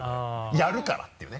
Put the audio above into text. やるからっていうね。